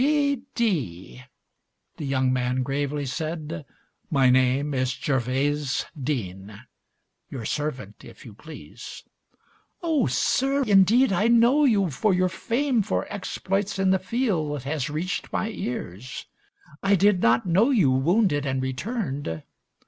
"G. D." the young man gravely said. "My name Is Gervase Deane. Your servant, if you please." "Oh, Sir, indeed I know you, for your fame For exploits in the field has reached my ears. I did not know you wounded and returned."